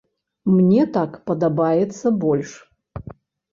Мне так падабаецца больш.